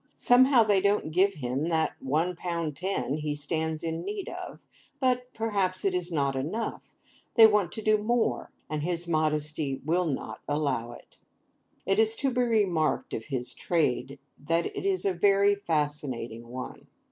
Somehow, they don't give him that one pound ten he stands in need of; but perhaps it is not enough—they want to do more, and his modesty will not allow it. It is to be remarked of his trade that it is a very fascinating one.